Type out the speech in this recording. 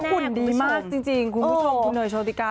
หุ่นดีมากจริงคุณผู้ชมคุณเนยโชติกา